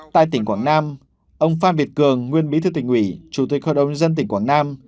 tại tỉnh quảng nam ông phan việt cường nguyên bí thư tỉnh ủy chủ tịch hội đồng nhân dân tỉnh quảng nam